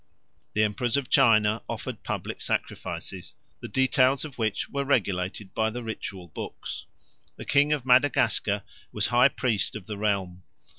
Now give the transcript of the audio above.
The Emperors of China offered public sacrifices, the details of which were regulated by the ritual books. The King of Madagascar was high priest of the realm.